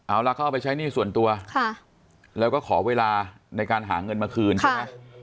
เอาล่ะเขาเอาไปใช้หนี้ส่วนตัวแล้วก็ขอเวลาในการหาเงินมาคืนใช่ไหม